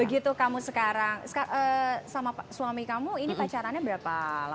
begitu kamu sekarang sama suami kamu ini pacarannya berapa lama